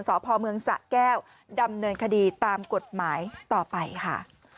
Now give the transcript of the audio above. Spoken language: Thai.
สพเมืองสะแก้วดำเนินคดีตามกฎหมายต่อไปค่ะ